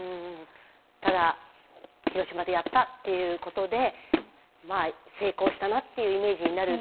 ただ広島でやったっていうことで成功したなっていうイメージになることを恐れていらっしゃる。